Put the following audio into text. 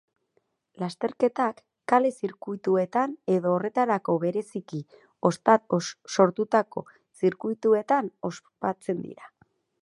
Lasterketak kale-zirkuituetan edo horretarako bereziki sortutako zirkuituetan ospatzen dira.